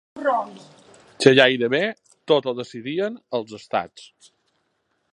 Que gairebé tot ho decidien els estats.